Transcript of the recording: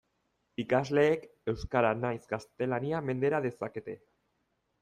Ikasleek euskara nahiz gaztelania mendera dezakete.